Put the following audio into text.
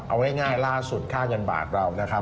เอาง่ายล่าสุดค่าเงินบาทเรานะครับ